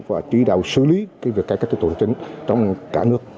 và trí đạo xử lý cái việc cải cách thu tục hành chính trong cả nước